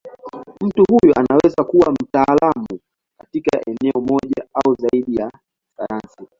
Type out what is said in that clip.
Mtu huyo anaweza kuwa mtaalamu katika eneo moja au zaidi ya sayansi.